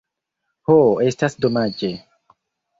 Ho! Estas domaĝe!